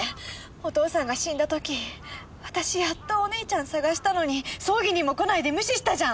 お父さんが死んだ時私やっとお姉ちゃん捜したのに葬儀にも来ないで無視したじゃん！